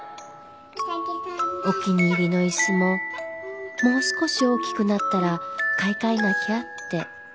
お気に入りの椅子ももう少し大きくなったら買い替えなきゃって。